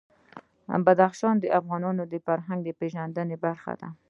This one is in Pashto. بدخشان د افغانانو د فرهنګي پیژندنې برخه ده.